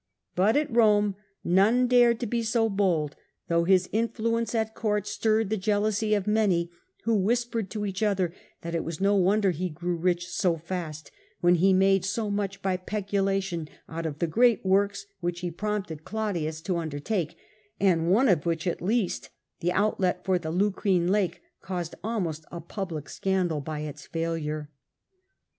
But at Rome none dared to be so bold, though his influence at court stirred the jealousy of many, who whispered to each other that it was no wonder he grew rich so fast when he made so much by peculation out of the great works which he prompted Claudius to undertake, and one of which at least, the outlet for the Lucrine Lake, caused almost a public scandal by its failure.